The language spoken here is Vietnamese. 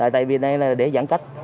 tại vì đây là để giãn cách